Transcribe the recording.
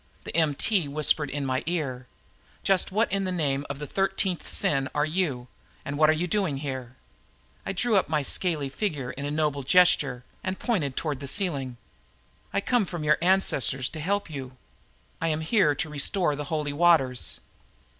The MT whispered into my ear, "Just what in the name of the thirteenth sin are you and what are you doing here?" I drew up my scaly figure in a noble gesture and pointed toward the ceiling. "I come from your ancestors to help you. I am here to restore the Holy Waters."